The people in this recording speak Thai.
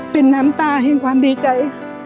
เป็นน้ำตาแห่งความดีใจ